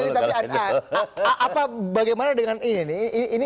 bang celi tapi bagaimana dengan ini